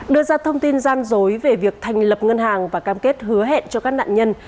đưa ra thông tin gian dối về việc thành lập ngân hàng và cam kết hứa hẹn cho các nạn nhân